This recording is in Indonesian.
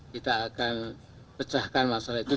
kita akan pecahkan masalah itu